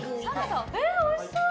おいしそう！